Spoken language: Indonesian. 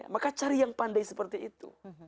maka cari yang pandai seperti itu